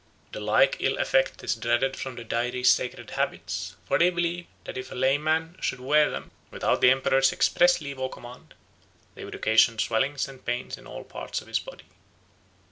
The like ill effect is dreaded from the Dairi's sacred habits; for they believe that if a layman should wear them, without the Emperor's express leave or command, they would occasion swellings and pains in all parts of his body."